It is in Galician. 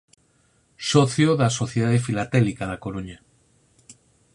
Socio da Sociedade Filatélica da Coruña.